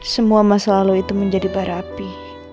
semua masa lalu itu menjadi bara api